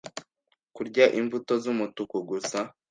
kurya imbuto z’umutuku gusa